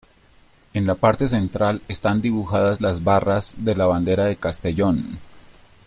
En la parte central están dibujadas las barras de la bandera de Castellón.